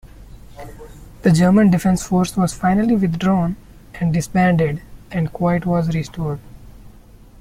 The German defense force was finally withdrawn and disbanded and quiet was restored.